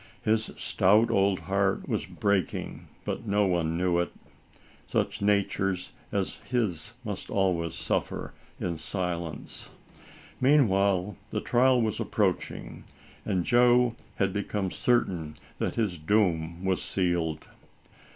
His stout old heart was breaking, but no one knew it. Such natures as his must always suffer in silence. Meanwhile the trial was approaching, and Joe had become certain that his doom was sealed.